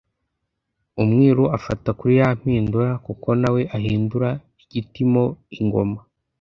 Umwiru afata kuri ya mpindura kuko nawe ahindura igiti mo ingoma